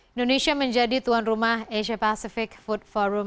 indonesia menjadi tuan rumah asia pacific food forum